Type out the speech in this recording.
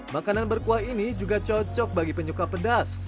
makanan berkuah ini juga cocok bagi penyuka pedas